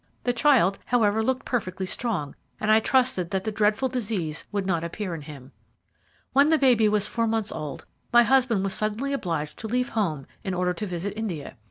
The child however, looked perfectly strong, and I trusted that the dreadful disease would not appear in him. "When the baby was four months old my husband was suddenly obliged to leave home in order to visit India.